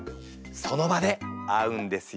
その場で会うんですよ。